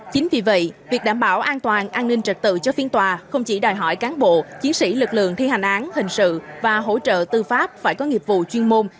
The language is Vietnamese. chính vì vậy việc đảm bảo an toàn an ninh trật tự cho phiên tòa không chỉ đòi hỏi cán bộ chiến sĩ lực lượng thi hành án hình sự và hỗ trợ tư pháp phải có nghiệp vụ chuyên môn